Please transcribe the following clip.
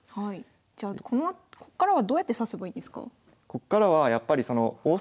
じゃあこっからはどうやって指せばいいですか？